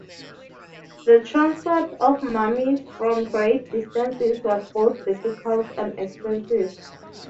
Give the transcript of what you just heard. The transport of mummies from great distances was both difficult and expensive.